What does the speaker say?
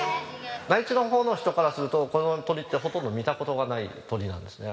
内地の方の人からするとこの鳥ってほとんど見た事がない鳥なんですね。